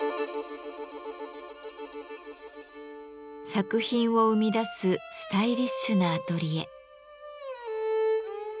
作品を生み出すスタイリッシュなアトリエ。